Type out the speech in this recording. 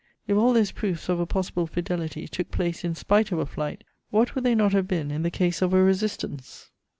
If all those proofs of a possible fidelity took place in spite of a flight, what would they not have been in the case of a resistance?